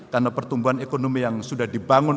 karena pertumbuhan ekonomi yang sudah dibangun